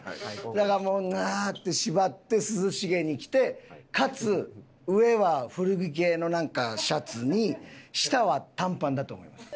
だからもう「ああ」って縛って涼しげに来てかつ上は古着系のシャツに下は短パンだと思います。